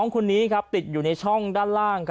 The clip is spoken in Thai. คนนี้ติดอยู่ในช่องด้านล่าง